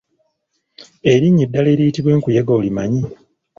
Erinnya eddala eriyitibwa enkuyege olimanyi?